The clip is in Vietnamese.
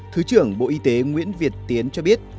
thứ trưởng bộ y tế nguyễn việt tiến cho biết